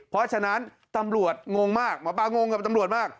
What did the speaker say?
เพราะฉะนั้นตำรวจงงมากหมอปลางงกับตำรวจมาก